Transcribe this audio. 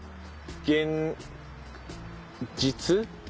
「現実」？